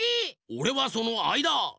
おれはそのあいだ！